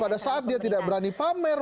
pada saat dia tidak berani pamer